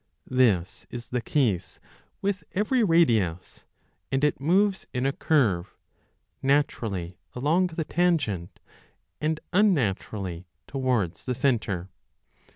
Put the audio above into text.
This is the case with every radius, and it moves in a curve, naturally along the tangent, and unnaturally towards the centre.